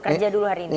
kerja dulu hari ini